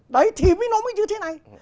đấy thì mới nó mới như thế này